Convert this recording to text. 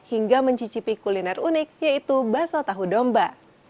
hingga mencicipi kuliner unik yaitu baso tahu domba